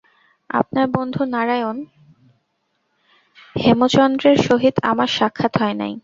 আপনার বন্ধু নারায়ণ হেমচন্দ্রের সহিত আমার সাক্ষাৎ হয় নাই।